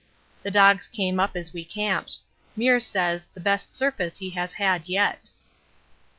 The dogs came up as we camped. Meares says the best surface he has had yet.